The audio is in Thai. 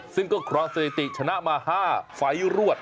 ซึ่งก็เกราะเศรษฐีชนะมา๕ฝัยรวด